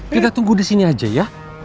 kita tunggu disini aja ya